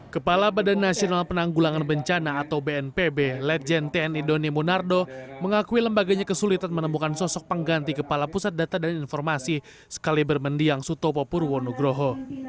kepala badan nasional penanggulangan bencana atau bnpb lejen tni doni monardo mengakui lembaganya kesulitan menemukan sosok pengganti kepala pusat data dan informasi sekali bermendiang sutopo purwonugroho